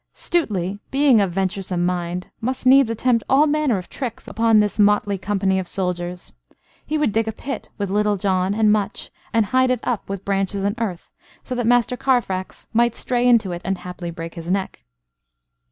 Stuteley, being of venturesome mind, must needs attempt all manner of tricks upon this motley company of soldiers. He would dig a pit with Little John and Much, and hide it up with branches and earth, so that Master Carfax might stray into it and haply break his neck.